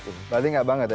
berarti nggak banget ya